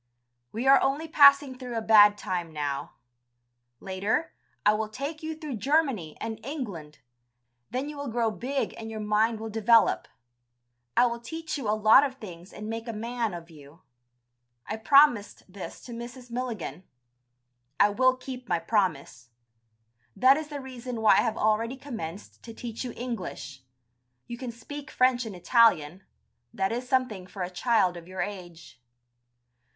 We are only passing through a bad time now; later, I will take you through Germany and England, then you will grow big and your mind will develop. I will teach you a lot of things and make a man of you. I promised this to Mrs. Milligan. I will keep my promise. That is the reason why I have already commenced to teach you English. You can speak French and Italian, that is something for a child of your age."